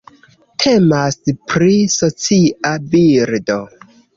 Temas pri socia birdo.